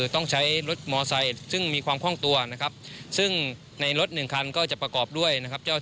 ต้องสงสัย